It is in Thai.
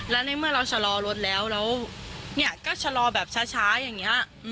และในเมื่อเราชะลอรถแล้วแล้วก็ชะลอแบบช้าอย่างนี้